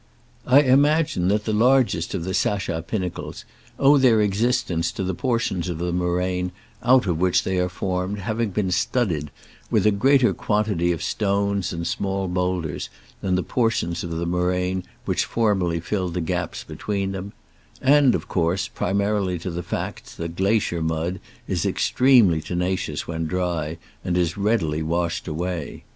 I imagine that the lai^est of the Sachas pinnacles owe their existence to the portions of the moraine out of which they are formed having been studded with a greater quantity of stones and small boulders than the portions of the moraine which formerly filled the gaps between them; and, of course, primarily, to the facts that glacier mud is extremely tenacious when dry, and is readily wash ed away.